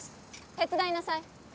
手伝いなさい。